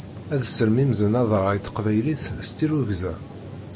Ad sermimzen adrar i taqbaylit s tirugza.